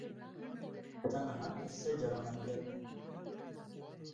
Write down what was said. Heta niha ez sê caran emeliyat bûm.